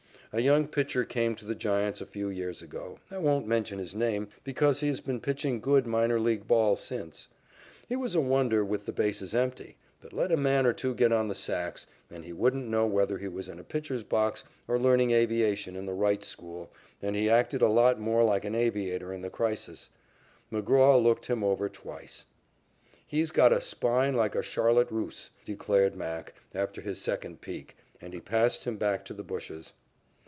A young pitcher came to the Giants a few years ago. I won't mention his name because he has been pitching good minor league ball since. He was a wonder with the bases empty, but let a man or two get on the sacks, and he wouldn't know whether he was in a pitcher's box or learning aviation in the Wright school, and he acted a lot more like an aviator in the crisis. McGraw looked him over twice. "He's got a spine like a charlotte russe," declared "Mac," after his second peek, and he passed him back to the bushes.